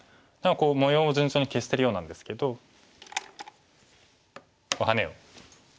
模様を順調に消してるようなんですけどハネを利かしまして。